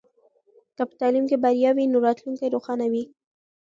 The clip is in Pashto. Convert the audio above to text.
که په تعلیم کې بریا وي نو راتلونکی روښانه وي.